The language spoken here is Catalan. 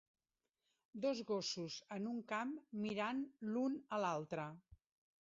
Dos gossos en un camp mirant l'un a l'altre